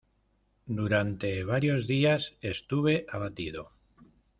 Durante varios días estuve abatido.